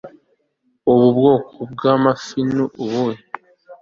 Ubu bwoko bwamafi ni ubuhe